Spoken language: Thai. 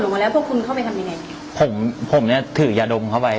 หลังจากที่เห็นเขาหล่นลงมาแล้วพวกคุณเข้าไปทำยังไงผมผมเนี้ยถือยาดมเข้าไป